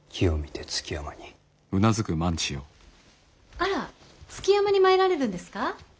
あら築山に参られるんですか？